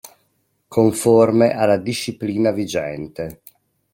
Conforme alla disciplina vigente.